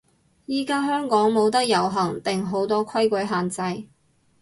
依家香港冇得遊行定好多規矩限制？